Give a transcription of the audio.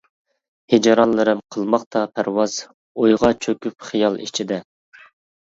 ھىجرانلىرىم قىلماقتا پەرۋاز، ئويغا چۆكۈپ خىيال ئىچىدە.